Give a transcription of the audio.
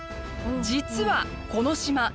実はこの島